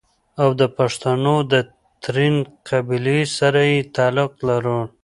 او دَپښتنو دَ ترين قبيلې سره ئې تعلق لرلو